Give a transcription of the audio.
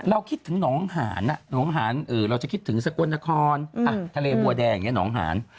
เราคิดถึงหนองหาญเราจะคิดถึงสกลนครทะเลบัวแดงหนองหาญ